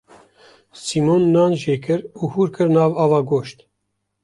Sîmon nan jêkir û hûr kir nav ava goşt.